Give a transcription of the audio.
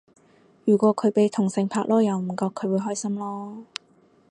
如果佢俾同性拍籮柚唔覺佢會開心囉